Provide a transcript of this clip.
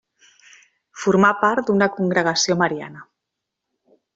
Formà part d'una congregació mariana.